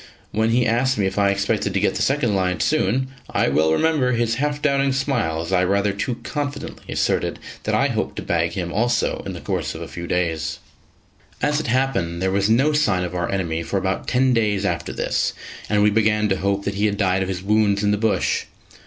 When he asked me if I expected to get the second lion soon, I well remember his half doubting smile as I rather too confidently asserted that I hoped to bag him also in the course of a few days. As it happened, there was no sign of our enemy for about ten days after this, and we began to hope that he had died of his wounds in the bush.